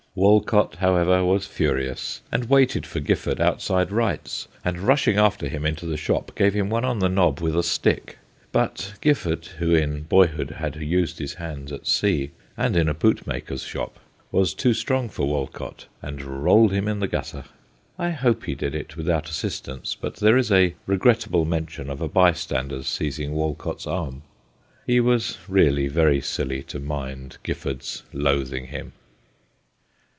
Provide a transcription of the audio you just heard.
Wolcot, however, was furious, and waited for Gifford outside Wright's, and rushing after him into the shop gave him one on the nob with a stick. But Gifford, who in boyhood had used his hands at sea, and in a bootmaker's shop, was too strong for Wolcot, and rolled him in the gutter. I hope he did it without assistance, but there is a regrettable mention of a bystander's seizing Wolcot's arm. He was really very silly to mind Giffbrd's loath ing him.